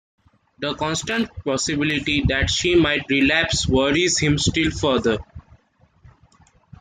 The constant possibility that she might relapse worries him still further.